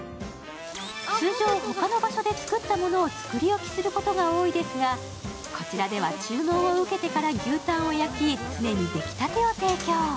通常、他の場所で作ったものを作り置きすることが多いですがこちらでは注文を受けてから牛タンを焼き、常に出来たてを提供。